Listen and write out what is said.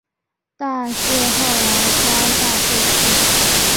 但是后来遭到废弃。